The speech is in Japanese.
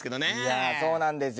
いやそうなんですよ。